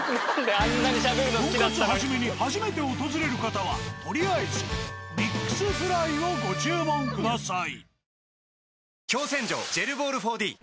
「とんかつ一」に初めて訪れる方はとりあえずミックスフライをご注文ください。